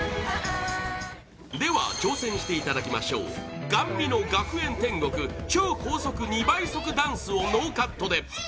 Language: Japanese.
では挑戦していただきましょうＧＡＮＭＩの「学園天国」超高速２倍速ダンスをノーカットで！